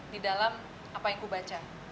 di dalam apa yang aku baca